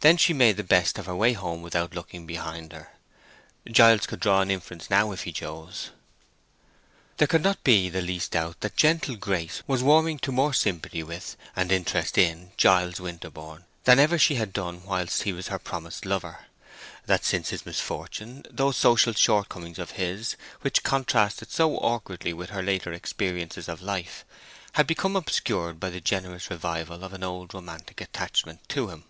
Then she made the best of her way home without looking behind her. Giles could draw an inference now if he chose. There could not be the least doubt that gentle Grace was warming to more sympathy with, and interest in, Giles Winterborne than ever she had done while he was her promised lover; that since his misfortune those social shortcomings of his, which contrasted so awkwardly with her later experiences of life, had become obscured by the generous revival of an old romantic attachment to him.